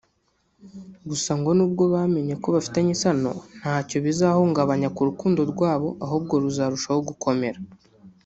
Gusa ngo nubwo bamenye ko bafitanye isano ntacyo bizahungabanya ku rukundo rwabo ahubwo ruzarushaho gukomera